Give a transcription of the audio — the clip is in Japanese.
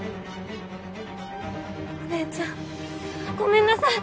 お姉ちゃんごめんなさい。